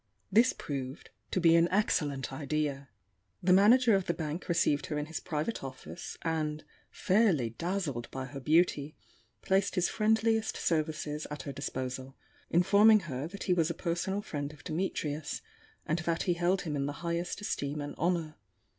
This proved to be an excellent idea. The manager of the bank received her in his private office, and, fairly dazzled by her beauty, placed his friendliest services at her disposal, informing her that he was a personal friend of Dimitrius, and that he held him in the highest esteem and honour.